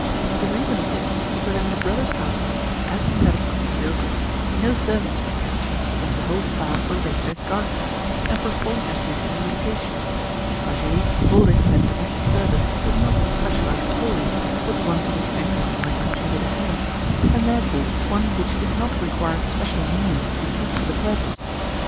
The reason of this was that in the brothers' household, as in that of Kostanzhoglo, no servants were kept, since the whole staff were rated as gardeners, and performed that duty in rotation Vassili holding that domestic service was not a specialised calling, but one to which any one might contribute a hand, and therefore one which did not require special menials to be kept for the purpose.